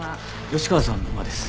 吉川さんの馬です。